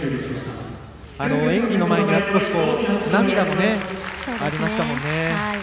演技の前には少し涙もありましたもんね。